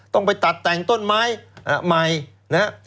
ต้องไปตัดแต่งต้นไมค์ใหม่